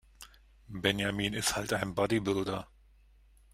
Benjamin ist halt ein Bodybuilder.